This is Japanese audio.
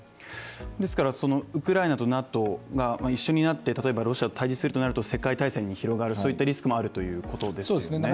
ですから、ウクライナとＮＡＴＯが一緒になってロシアと対じするとなると世界大戦に広がる、そういったリスクもあるということですね。